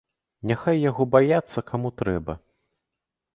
Няхай яго баяцца каму трэба!